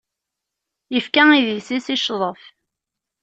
Ifka idis-is, i ccḍef.